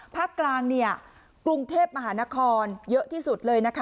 ภาคกลางเนี่ยกรุงเทพมหานครเยอะที่สุดเลยนะคะ